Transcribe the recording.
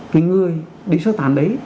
cái người bị sơ tản đấy